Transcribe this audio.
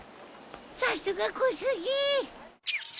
さすが小杉。